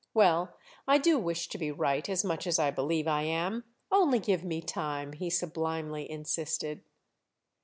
Well, I do wish to be right as much as I believe I am. Only give me time!" he sublimely insisted.